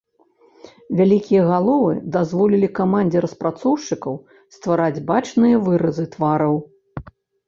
Вялікія галовы дазволілі камандзе распрацоўшчыкаў ствараць бачныя выразы твараў.